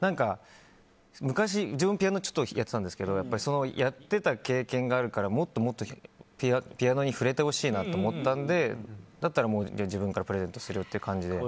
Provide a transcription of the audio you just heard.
昔、自分ピアノちょっとやってたんですけどそのやっていた経験があるからもっともっとピアノに触れてほしいなと思ったのでだったら、自分からプレゼントするよっていう感じで。